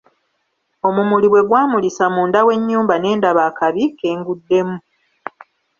Omumuli bwe gwamulisa munda w'ennyumba ne ndaba akabi ke nguddemu.